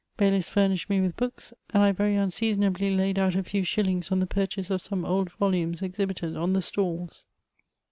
Baylis furnished me with bodks, and I very unseasonably laid out a few shillings on the purchase of some old volumes exhibited on ihe stalls.